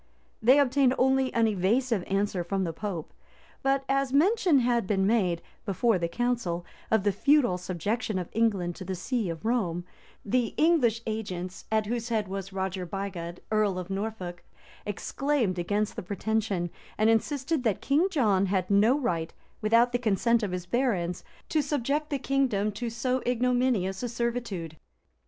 [] They obtained only an evasive answer from the pope; but as mention had been made, before the council, of the feudal subjection of England to the see of Rome, the English agents, at whose head was Roger Bigod, earl of Norfolk, exclaimed against the pretension, and insisted that King John had no right, without the consent of his barons, to subject the kingdom to so ignominious a servitude.